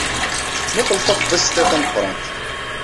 Mmuqqel tafḍist-a tameqrant.